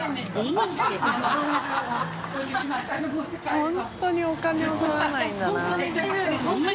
本当にお金を取らないんだな。